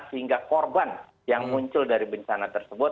sehingga korban yang muncul dari bencana tersebut